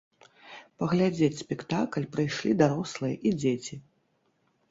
Паглядзець спектакль прыйшлі дарослыя і дзеці.